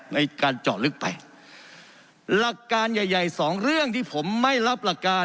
ในการเจาะลึกไปหลักการใหญ่ใหญ่สองเรื่องที่ผมไม่รับหลักการ